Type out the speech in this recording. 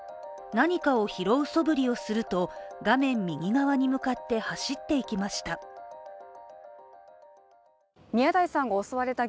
何かを拾うそぶりをすると画面右側に向かって走っていきました。